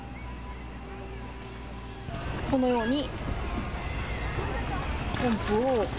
このようにポンプを。